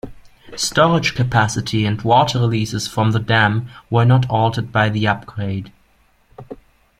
Storage capacity and water releases from the dam were not altered by the upgrade.